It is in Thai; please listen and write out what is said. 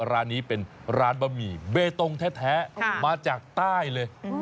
ร้านนี้เป็นร้านบะหมี่เบตงแท้มาจากใต้เลย